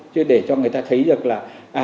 chứ để cho người ta thấy được là